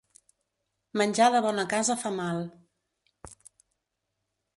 Menjar de bona casa fa mal.